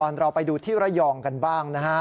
เราไปดูที่ระยองกันบ้างนะฮะ